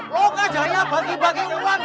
lo kajaya bagi bagi uang